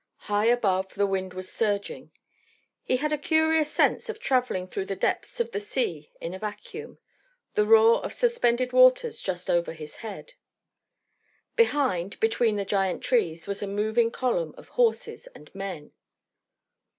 High above the wind was surging. He had a curious sense of travelling through the depths of the sea in a vacuum, the roar of suspended waters just over his head. Behind, between the giant trees, was a moving column of horses and men.